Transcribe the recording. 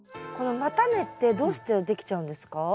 この叉根ってどうしてできちゃうんですか？